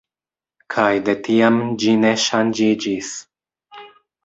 Kaj de tiam, ĝi ne ŝanĝiĝis.